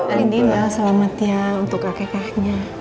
aindina selamatnya untuk kakeknya